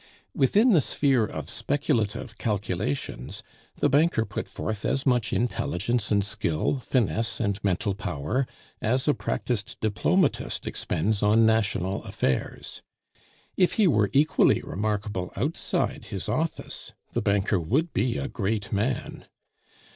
Within the sphere of speculative calculations the banker put forth as much intelligence and skill, finesse and mental power, as a practised diplomatist expends on national affairs. If he were equally remarkable outside his office, the banker would be a great man.